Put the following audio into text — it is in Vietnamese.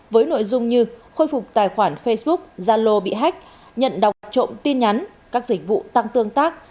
với nội dung như khôi phục tài khoản facebook gia lô bị hack nhận đọc trộm tin nhắn các dịch vụ tăng tương tác